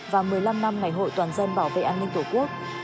và một mươi năm năm ngày hội toàn dân bảo vệ an ninh tổ quốc